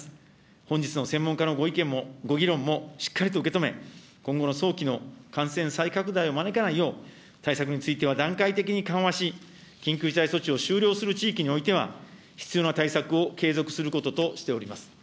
本日の専門家のご意見も、ご議論もしっかりと受け止め、今後の早期の感染再拡大を招かないよう、対策については段階的に緩和し、緊急事態措置を終了する地域においては、必要な対策を継続することとしております。